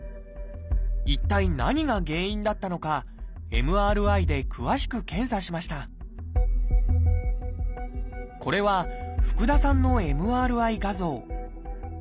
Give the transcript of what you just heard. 一体何が原因だったのかＭＲＩで詳しく検査しましたこれは福田さんのＭＲＩ画像。